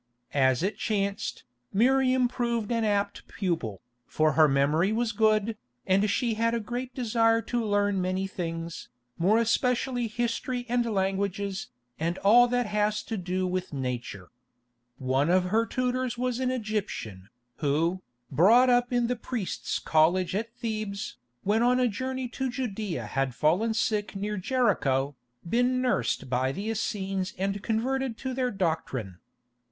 As it chanced, Miriam proved an apt pupil, for her memory was good, and she had a great desire to learn many things, more especially history and languages, and all that has to do with nature. One of her tutors was an Egyptian, who, brought up in the priests' college at Thebes, when on a journey to Judæa had fallen sick near Jericho, been nursed by the Essenes and converted to their doctrine.